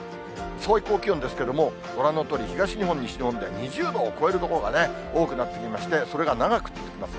最高気温ですけれども、ご覧のとおり、東日本、西日本で２０度を超える所が多くなってきまして、それが長く続きます。